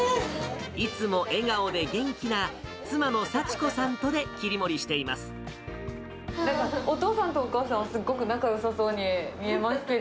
いつも笑顔で元気な、妻の幸なんかお父さんとお母さん、すっごく仲よさそうに見えますけど。